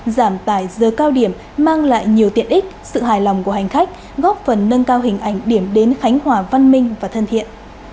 giảm tải giờ cao điểm mang lại nhiều tiện ích sự hài lòng của hành khách góp phần nâng cao hình ảnh điểm đến khánh hòa văn minh và thân thiện